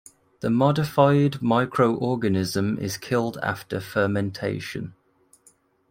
The modified microorganism is killed after fermentation.